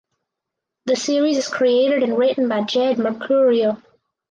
The series is created and written by Jed Mercurio.